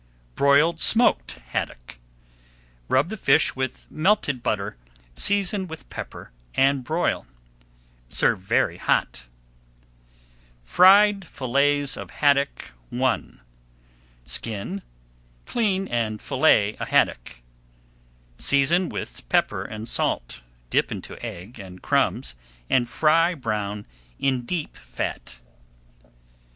BROILED SMOKED HADDOCK Rub the fish with melted butter, season with pepper, and broil. Serve very hot. [Page 162] FRIED FILLETS OF HADDOCK I Skin, clean and fillet a haddock. Season with pepper and salt, dip into egg and crumbs and fry brown in deep fat.